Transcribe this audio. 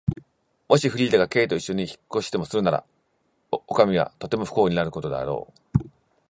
もしフリーダが Ｋ といっしょに引っ越しでもするなら、おかみはとても不幸になることだろう。